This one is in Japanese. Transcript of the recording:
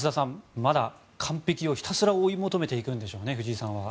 まだ完璧をひたすら追い求めていくんでしょうね藤井さんは。